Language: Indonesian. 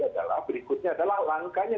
adalah berikutnya adalah langkahnya